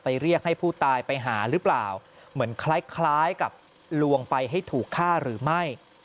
เรียกให้ผู้ตายไปหาหรือเปล่าเหมือนคล้ายกับลวงไปให้ถูกฆ่าหรือไม่